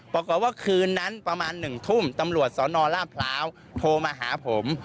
ปรากฎว่าคืนนั้นประมาณ๑ทุ่มตำรวจสอนอล่าพลาวโทรมาหาผม